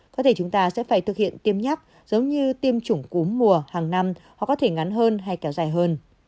có thể chúng ta sẽ phải thực hiện tiêm nhắc giống như tiêm chủng cúm mùa hàng năm hoặc có thể ngắn hơn hay kéo dài hơn